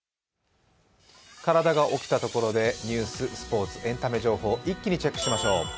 体が起きたところでニュース、スポーツ、エンタメ情報一気にチェックしましょう。